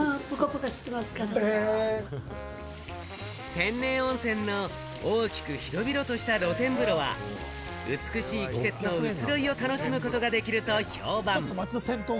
天然温泉の大きく広々とした露天風呂は、美しい季節の移ろいを楽しむことができると評判。